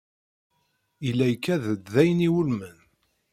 Yella ikad-d d ayen iwulmen.